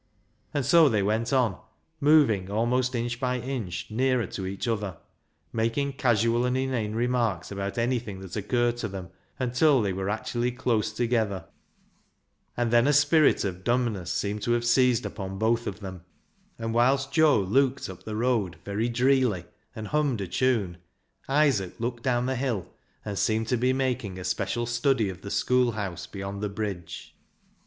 And so they went on, moving almost inch by inch nearer to each other, making casual and inane remarks about anything that occurred to them, until they were actually close together. 3i6 BECKSIDE LIGHTS And then a spirit of dumbness seemed to have seized upon both of them, and whilst Joe looked up the road very dreely and hummed a tune, Isaac looked down the hill and seemed to be making a special study of the schoolhouse beyond the bridge.